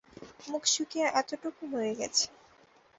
মুখ শুকিয়ে এতটুকু হয়ে গেছে।